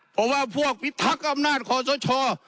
เพราะว่าพวกพิทักษ์อำนาจคอสช